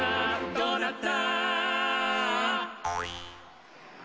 「どうなった？」